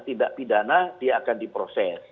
tidak pidana dia akan diproses